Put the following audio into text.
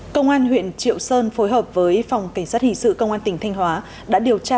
công an huyện triệu sơn phối hợp với phòng cảnh sát hình sự công an tỉnh thanh hóa đã điều tra